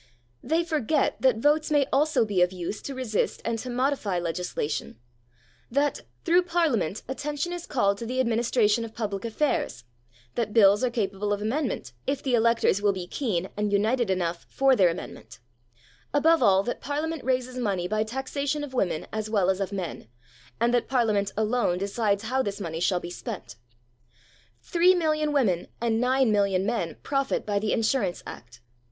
They forget that votes may also be of use to resist and to modify legislation; that, through Parliament, attention is called to the administration of public affairs; that Bills are capable of amendment, if the electors will be keen and united enough for their amendment; above all, that Parliament raises money by taxation of women as well as of men, and that Parliament alone decides how this money shall be spent. Three million women and nine million men profit by the Insurance Act.